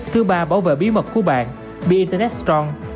thứ ba bảo vệ bí mật của bạn be internet strong